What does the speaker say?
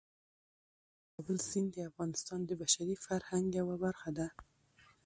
د کابل سیند د افغانستان د بشري فرهنګ یوه برخه ده.